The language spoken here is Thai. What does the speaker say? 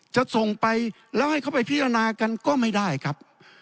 จะส่งไปแล้วให้เขาไปพิจารณากันก็ไม่ได้ครับ